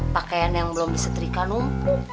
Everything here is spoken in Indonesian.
pakaian yang belum disetrika dong